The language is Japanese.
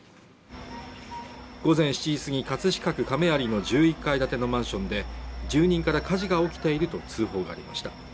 午前７時すぎ葛飾区亀有の１１階建てのマンションで住人から火事が起きていると通報がありました。